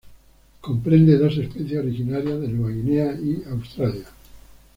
Comprende dos especies originarias de Nueva Guinea y Australia.